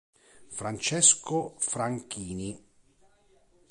Francesco Franchini